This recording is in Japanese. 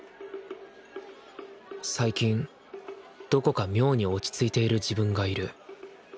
最近どこか妙に落ち着いている自分がいる。